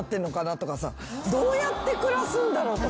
どうやって暮らすんだろうとか。